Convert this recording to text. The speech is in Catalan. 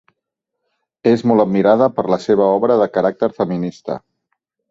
És molt admirada per la seva obra, de caràcter feminista.